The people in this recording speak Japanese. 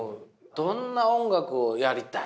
どんな音楽をやりたい？